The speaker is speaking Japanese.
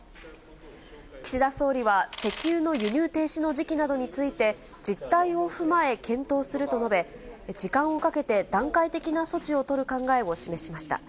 岸田総理は、石油の輸入停止の時期などについて、実態を踏まえ、検討すると述べ、時間をかけて段階的な措置を取る考えを示しました。